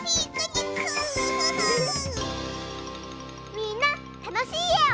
みんなたのしいえを。